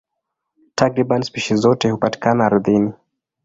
Takriban spishi zote hupatikana ardhini.